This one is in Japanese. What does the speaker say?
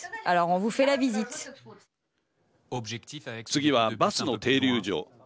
次は、バスの停留所。